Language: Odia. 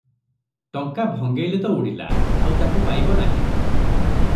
ଟଙ୍କା ଭଙ୍ଗେଇଲେ ତ ଉଡ଼ିଲା, ଆଉ ତାକୁ ପାଇବ ନାହିଁ ।